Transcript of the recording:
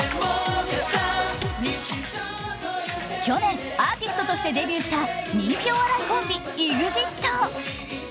去年、アーティストとしてデビューした人気お笑いコンビＥＸＩＴ。